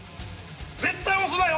絶対押すなよ！